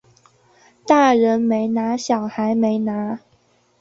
大人没拿小孩没拿